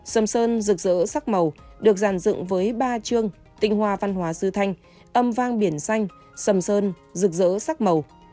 sầm sơn rực rỡ sắc màu được dàn dựng với ba chương tinh hoa văn hóa sư thanh âm vang biển xanh sầm sơn rực rỡ sắc màu